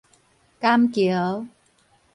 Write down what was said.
含茄